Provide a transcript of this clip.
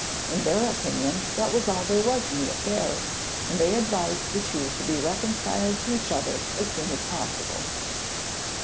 In their opinion, that was all there was in the affair, and they advised the two to be reconciled to each other as soon as possible.